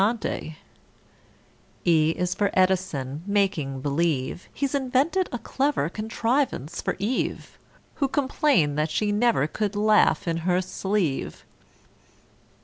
=E= is for =E=dison, making believe He's invented a clever contrivance for =E=ve, Who complained that she never could laugh in her sleeve.